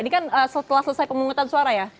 ini kan setelah selesai pemungutan suara ya